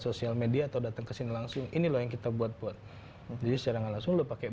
sosial media atau datang ke sini langsung ini lo yang kita buat buat jadi serangan langsung pakai